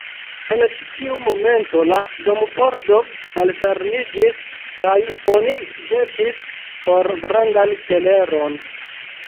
En ĉi tiu momento la dompordo malfermiĝis, kaj oni ĵetis for grandan teleron.